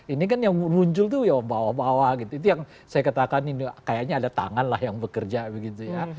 ini kan yang muncul tuh ya bawah bawah gitu itu yang saya katakan ini kayaknya ada tangan lah yang bekerja begitu ya